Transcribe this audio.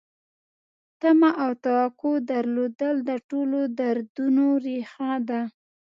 تمه او توقع درلودل د ټولو دردونو ریښه ده.